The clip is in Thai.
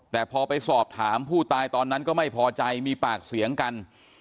แต่พอไปสอบถามผู้ตายตอนนั้นก็ไม่พอใจมีปากเสียงกัน